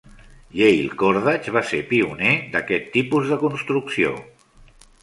Yale Cordage va ser pioner d'aquest tipus de construcció.